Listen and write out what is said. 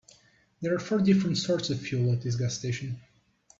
There are four different sorts of fuel at this gas station.